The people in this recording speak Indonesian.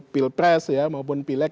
pil pres ya maupun pilek